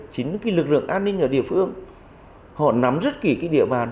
chính là lực lượng an ninh ở địa phương họ nắm rất kỹ địa bàn